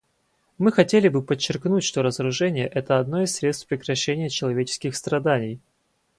Мы хотели бы подчеркнуть, что разоружение — это одно из средств прекращения человеческих страданий.